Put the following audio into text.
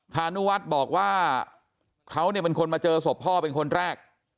พานุวัฒน์บอกว่าเขาเนี่ยเป็นคนมาเจอศพพ่อเป็นคนแรก